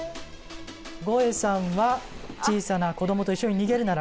ゴエさんは「小さな子どもと一緒に逃げるなら？」